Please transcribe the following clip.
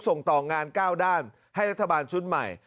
ส่งต่องาน๙ด้านให้รัฐบาลชุดใหม่